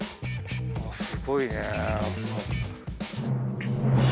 あすごいね。